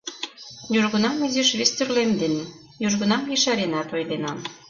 Южгунам изиш вестӱрлемден, южгунам ешаренат ойленам.